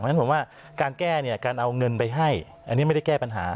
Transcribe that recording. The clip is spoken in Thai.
เพราะฉะนั้นผมว่าการแก้เนี่ยการเอาเงินไปให้อันนี้ไม่ได้แก้ปัญหา